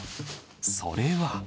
それは。